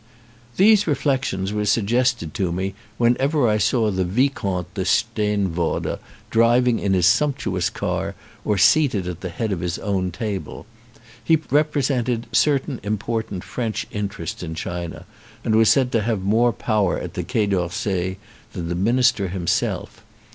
These reflections were suggested to me when ever I saw the Vicomte de Steenvoorde driving in his sumptuous car or seated at the head of his own table. He represented certain important French interests in China and was said to have more power at the Quai d'Orsay than the minister himself.